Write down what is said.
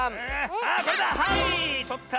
あこれだはいとった！